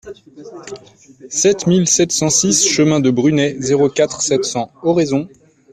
sept mille sept cent six chemin de Brunet, zéro quatre, sept cents, Oraison